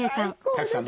賀来さん